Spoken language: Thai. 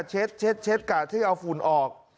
เช็ดเช็ดเช็ดกะที่เอาฝุ่นออก